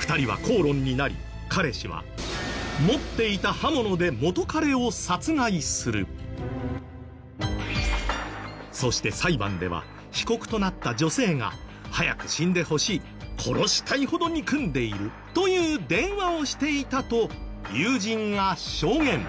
２人は口論になりそして裁判では被告となった女性が「早く死んでほしい」「殺したいほど憎んでいる」という電話をしていたと友人が証言。